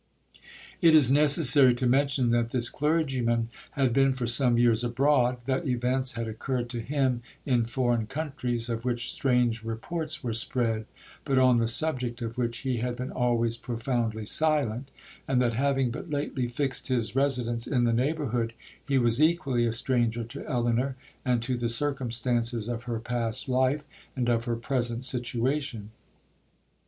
'It is necessary to mention, that this clergyman had been for some years abroad—that events had occurred to him in foreign countries, of which strange reports were spread, but on the subject of which he had been always profoundly silent—and that having but lately fixed his residence in the neighbourhood, he was equally a stranger to Elinor, and to the circumstances of her past life, and of her present situation.